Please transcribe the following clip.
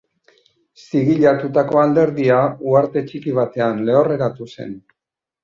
Zigilatutako alderdia uharte txiki batean lehorreratu zen.